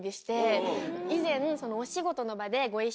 以前。